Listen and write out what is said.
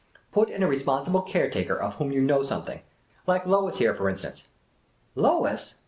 Put in a responsible caretaker of whom j'ou know something — like Lois here, for instance." " Lois